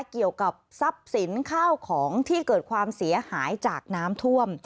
เกี่ยวกับทรัพย์สินข้าวของที่เกิดความเสียหายจากน้ำท่วม